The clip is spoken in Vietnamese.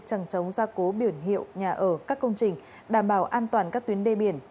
chẳng chống gia cố biển hiệu nhà ở các công trình đảm bảo an toàn các tuyến đê biển